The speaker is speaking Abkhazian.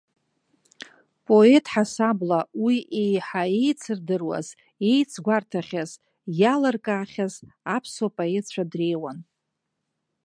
Поет ҳасабла уи еиҳа еицырдыруаз, еицгәарҭахьаз, иалыркаахьаз аԥсуа поетцәа дреиуан.